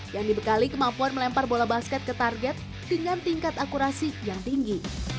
yang dibekali kemampuan melempar bola basket ke target dengan tingkat akurasi yang tinggi